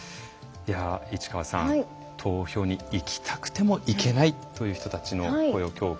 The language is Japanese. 市川さん投票に行きたくても行けないという人たちの声を今日聞いてきました。